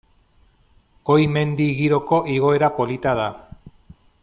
Goi mendi giroko igoera polita da.